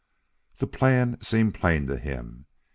The plan seemed plain to him.